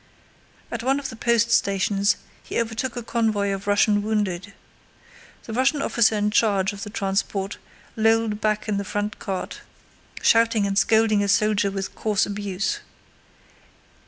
At one of the post stations he overtook a convoy of Russian wounded. The Russian officer in charge of the transport lolled back in the front cart, shouting and scolding a soldier with coarse abuse.